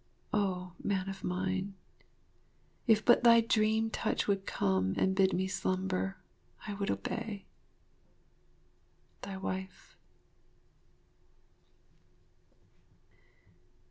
Oh, man of mine, if but thy dream touch would come and bid me slumber, I would obey. Thy Wife.